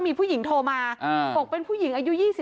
มีผู้หญิงโทรมาบอกเป็นผู้หญิงอายุ๒๕